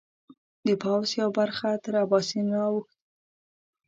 د پوځ یوه برخه تر اباسین را اوښتې ده.